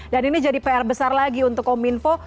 dan ini jadi pr besar lagi untuk kominfo